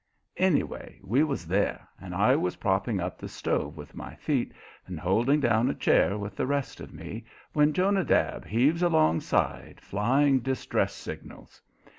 Anyway we was there, and I was propping up the stove with my feet and holding down a chair with the rest of me, when Jonadab heaves alongside flying distress signals.